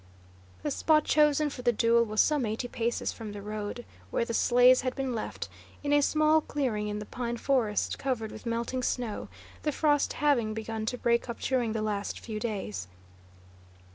The spot chosen for the duel was some eighty paces from the road, where the sleighs had been left, in a small clearing in the pine forest covered with melting snow, the frost having begun to break up during the last few days.